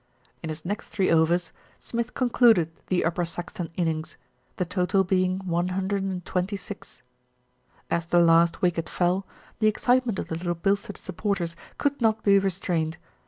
In his next three overs, Smith concluded the Upper Saxton innings, the total being 126. As the last wicket fell, the excitement of the Little Bilstead supporters could not be restrained.